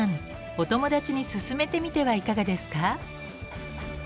お友達に薦めてみてはいかがですか？